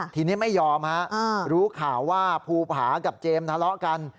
ทีนี้ไม่ยอมฮะรู้ข่าวว่าภูผากับเจมส์ทะเลาะกัน